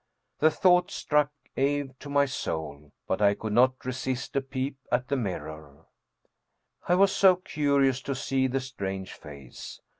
The thought struck awe to my soul, but I could not resist a peep at the mirror, I was so curious to see the strange face.